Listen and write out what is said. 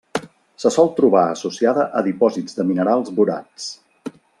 Se sol trobar associada a dipòsits de minerals borats.